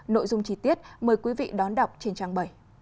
nội dung chi tiết mời quý vị đón đọc trên trang bảy